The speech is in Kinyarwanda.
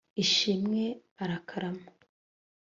ishimwe. arakarama